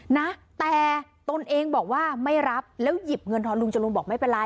นะแต่ตนเองบอกว่าไม่รับแล้วหยิบเงินทอนลุงจรูนบอกไม่เป็นไร